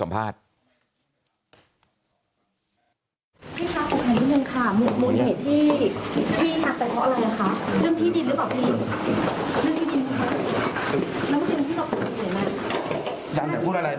บอกแล้วบอกแล้วบอกแล้ว